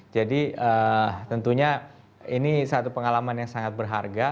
jadi tentunya ini satu pengalaman yang sangat berharga